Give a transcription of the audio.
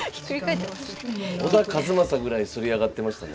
小田和正ぐらい反り上がってましたね。